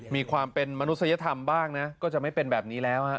มีความมนุษยธรรมบ้างก็จะไม่เป็นกับนี้แล้ว